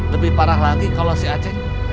lebih parah lagi kalau si aceh